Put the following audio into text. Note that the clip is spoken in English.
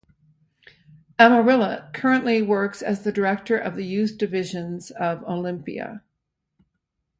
Amarilla currently works as the director of the youth divisions of Olimpia.